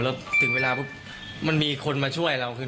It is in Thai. แล้วถึงเวลามันมีคนมาช่วยเรา